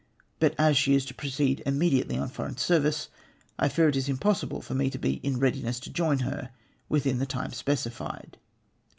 But as she is to proceed immediately on foreign service, I fear it is impossible for me to be in readiness to join her within the time specified.